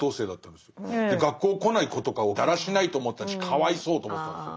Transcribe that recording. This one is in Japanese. で学校来ない子とかをだらしないと思ってたしかわいそうと思ってたんですよ。